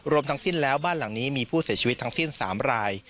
ทั้งสิ้นแล้วบ้านหลังนี้มีผู้เสียชีวิตทั้งสิ้น๓ราย